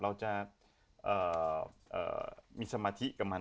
เพื่อนหนูเป็นคนที่เวลาทำอะไรนะ